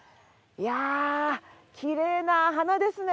いやきれいな花ですね。